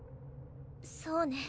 そうね